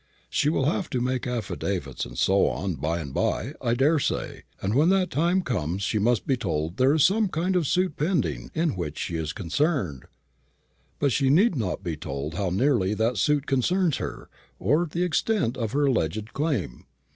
She will have to make affidavits, and so on, by and by, I daresay; and when that time comes she must be told there is some kind of suit pending in which she is concerned. But she need not be told how nearly that suit concerns her, or the extent of her alleged claim.